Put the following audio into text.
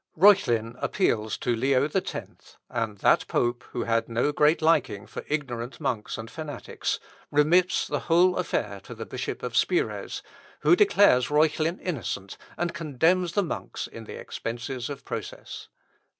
Reuchlin appeals to Leo X, and that pope, who had no great liking for ignorant monks and fanatics, remits the whole affair to the Bishop of Spires, who declares Reuchlin innocent, and condemns the monks in the expences of process.